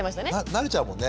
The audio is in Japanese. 慣れちゃうもんね。